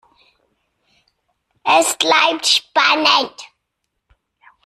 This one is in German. Es bleibt spannend.